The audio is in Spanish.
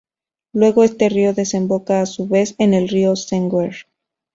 Luego este río desemboca a su vez en el río Senguer.